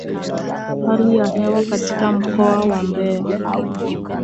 Hali ya hewa katika mkoa wa Mbeya